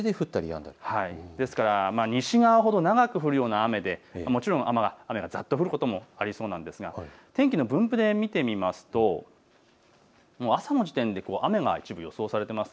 ですから、西側ほど長く降るような雨で雨がざっと降ることもありそうなんですが天気の分布で見てみますと、朝の時点で雨が一部予想されています。